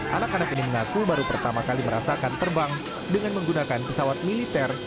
anak anak ini mengaku baru pertama kali merasakan terbang dengan menggunakan pesawat militer